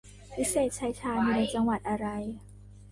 วิเศษชัยชาญ อยู่ในจังหวัดอะไร